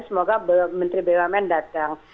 semoga menteri bumn datang